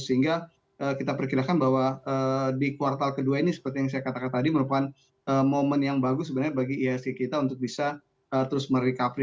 sehingga kita perkirakan bahwa di kuartal kedua ini seperti yang saya katakan tadi merupakan momen yang bagus sebenarnya bagi ihsg kita untuk bisa terus merecovery